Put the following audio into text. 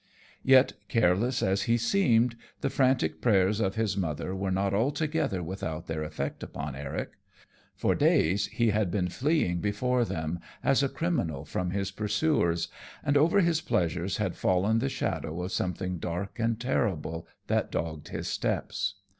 Yet, careless as he seemed, the frantic prayers of his mother were not altogether without their effect upon Eric. For days he had been fleeing before them as a criminal from his pursuers, and over his pleasures had fallen the shadow of something dark and terrible that dogged his steps.